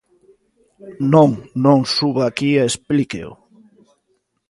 Non, non, suba aquí e explíqueo.